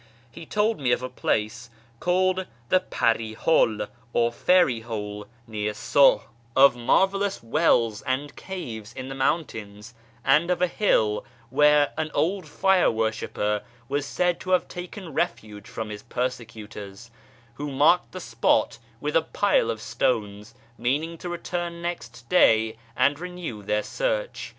He told me of a place called the Pari hol, or fairy hole, near Soh ; of marvellous wells FROM ISFAHAN TO SH/rAZ 233 and caves in the mountains ; and of a hill where an old fire worshipper was said to have taken refuge from his persecutors, who marked the sjDot with a pile of stones, meaning to return next day and renew their search.